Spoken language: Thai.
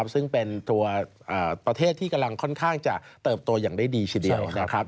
ซึ่งเป็นตัวประเทศที่กำลังค่อนข้างจะเติบโตอย่างได้ดีทีเดียวนะครับ